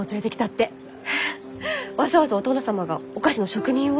えっわざわざお殿様がお菓子の職人を？